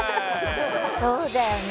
そうだよね。